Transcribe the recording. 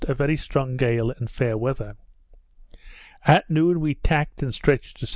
a very strong gale and fair weather. At noon, we tacked and stretched to S.